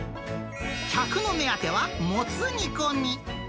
客の目当てはもつ煮込み。